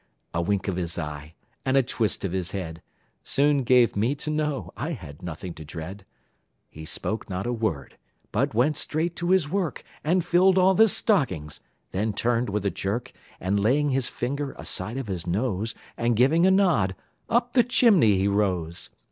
A wink of his eye, and a twist of his head, Soon gave me to know I had nothing to dread. He spoke not a word, but went straight to his work, And filled all the stockings; then turned with a jerk, And laying his finger aside of his nose, And giving a nod, up the chimney he rose.